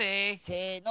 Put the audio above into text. せの！